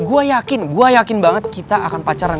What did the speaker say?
gue yakin gue yakin banget kita akan pacaran